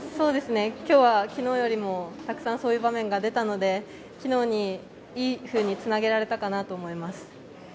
今日は昨日よりもたくさんそういう場面が出たのでいいふうにつなげられたかなと思います。